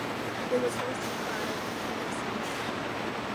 It was hosted by Dennis Miller.